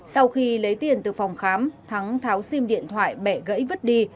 sau khi lấy tiền từ phòng khám thắng tháo sim điện thoại bẹ gãy vứt đi